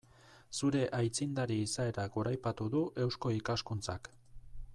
Zure aitzindari izaera goraipatu du Eusko Ikaskuntzak.